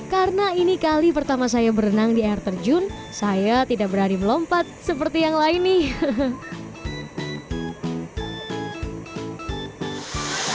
karena ini kali pertama saya berenang di air terjun saya tidak berani melompat seperti yang lain nih